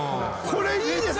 これいいです。